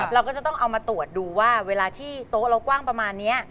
เราก็จะต้องเอามาตรวจดูว่าเวลาที่โต๊ะเรากว้างประมาณนี้